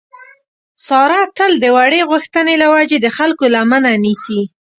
ساره تل د وړې غوښتنې له وجې د خلکو لمنه نیسي.